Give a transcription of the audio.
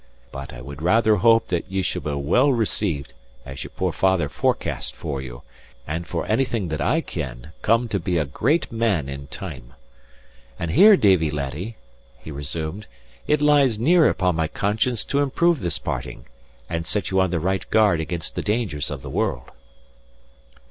But I would rather hope that ye shall be well received, as your poor father forecast for you, and for anything that I ken come to be a great man in time. And here, Davie, laddie," he resumed, "it lies near upon my conscience to improve this parting, and set you on the right guard against the dangers of the world."